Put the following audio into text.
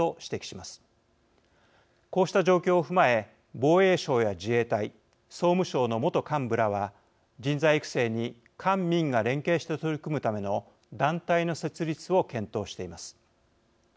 こうした状況を踏まえ防衛省や自衛隊総務省の元幹部らは人材育成に官民が連携して取り組むための団体の設立を検討しています。